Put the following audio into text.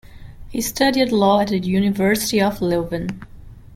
He studied law at the University of Leuven.